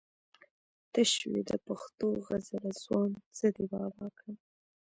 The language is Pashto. ته شوې د پښتو غزله ځوان زه دې بابا کړم